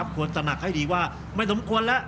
ควรตระหนักให้ดีว่าไม่สมควรแล้ว